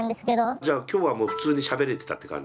じゃあ今日はもう普通にしゃべれてたって感じ？